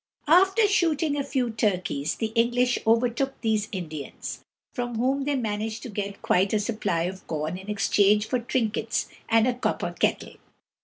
After shooting a few turkeys, the English overtook these Indians, from whom they managed to get quite a supply of corn in exchange for trinkets and a copper kettle.